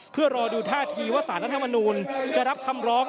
เพื่อรอดูท่าทีว่าสารรัฐมนูลจะรับคำร้อง